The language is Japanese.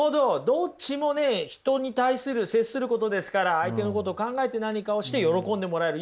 どっちもね人に対する接することですから相手のことを考えて何かをして喜んでもらえる。